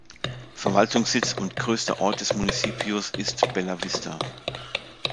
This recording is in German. Verwaltungssitz und größter Ort des Municipios ist Bella Vista.